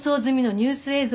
ニュース映像？